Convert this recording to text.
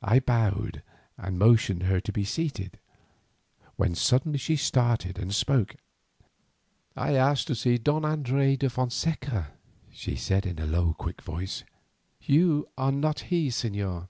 I bowed and motioned to her to be seated, when suddenly she started and spoke. "I asked to see Don Andres de Fonseca," she said in a low quick voice. "You are not he, señor."